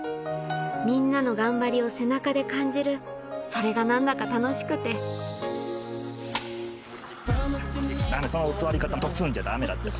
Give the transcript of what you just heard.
みんなの頑張りを背中で感じるそれが何だか楽しくてダメ！